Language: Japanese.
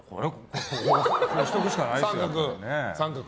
△にしておくしかないですね。